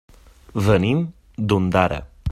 Venim d'Ondara.